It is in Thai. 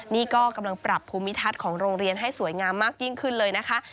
นี่ก็กำลังปรับภูมิทัศน์ของโรงเรียนให้สวยงามมากยิ่งขึ้นเลยนะคะ